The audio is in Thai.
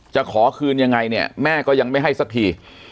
จะขอคืนยังไงเนี่ยแม่ก็ยังไม่ให้สักที